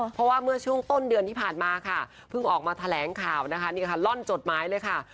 เพราะว่าเมื่อช่วงต้นเดือนที่ผ่านมาค่ะเพิ่งออกมาแถลงข่าวนะคะนี่ค่ะล่อนจดหมายเลยค่ะ